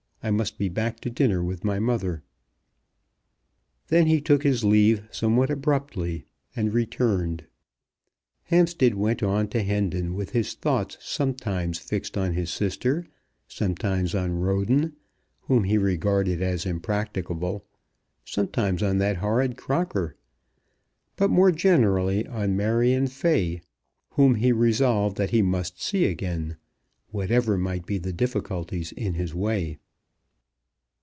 I must be back to dinner with my mother." Then he took his leave somewhat abruptly, and returned. Hampstead went on to Hendon with his thoughts sometimes fixed on his sister, sometimes on Roden, whom he regarded as impracticable, sometimes on that horrid Crocker; but more generally on Marion Fay, whom he resolved that he must see again, whatever might be the difficulties in his way.